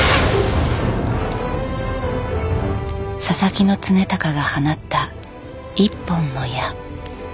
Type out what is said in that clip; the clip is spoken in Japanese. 佐々木経高が放った一本の矢。